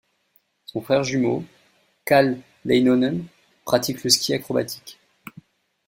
Son frère jumeau Kalle Leinonen pratique le Ski acrobatique.